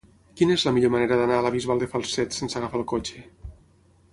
Quina és la millor manera d'anar a la Bisbal de Falset sense agafar el cotxe?